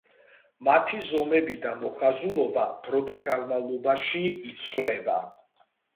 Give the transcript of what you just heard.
მათი ზომები და მოხაზულობა დროთა განმავლობაში იცვლება.